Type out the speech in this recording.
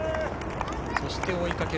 そして追いかける